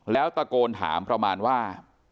แล้วตะโกนถามประมาณว่า